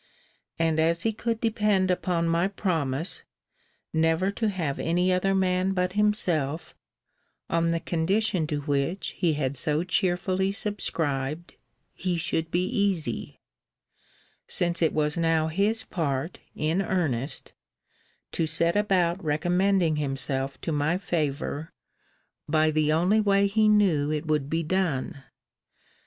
And as he could depend upon my promise, Never to have any other man but himself, on the condition to which he had so cheerfully subscribed, he should be easy; since it was now his part, in earnest, to set about recommending himself to my favour, by the only way he knew it would be done.